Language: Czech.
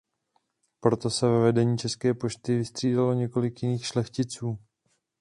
Poté se ve vedení české pošty vystřídalo několik jiných šlechticů.